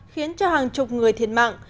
khiến cho hàng chục người thiệt mạng